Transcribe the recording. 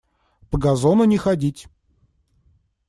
По газону не ходить!